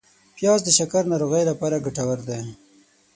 پیاز د شکر ناروغۍ لپاره ګټور دی